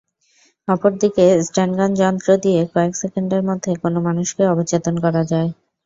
অপরদিকে স্টানগান যন্ত্র দিয়ে কয়েক সেকেন্ডের মধ্যে কোনো মানুষকে অচেতন করা যায়।